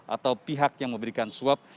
atau pihak yang memberikan suap